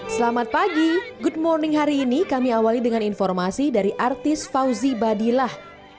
selamat pagi good morning hari ini kami awali dengan informasi dari artis fauzi badillah